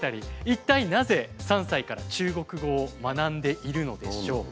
一体なぜ３歳から中国語を学んでいるのでしょうか？